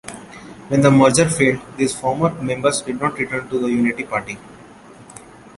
When the merger failed, these former members did not return to the Unity party.